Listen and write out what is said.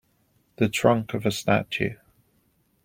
The trunk of a statue.